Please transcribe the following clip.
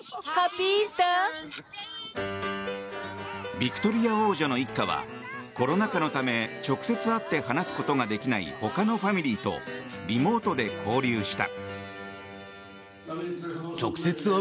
ビクトリア王女の一家はコロナ禍のため直接会って話すことができない他のファミリーとリモートで交流した。